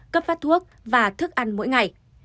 cấp phát thuốc và thức ăn mỗi ngày